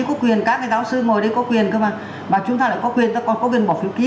có quyền các giáo sư ngồi đây có quyền cơ mà mà chúng ta lại có quyền ta còn có quyền bỏ phiếu ký